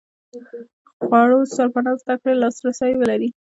خوړو سرپناه زده کړې لاس رسي ولري.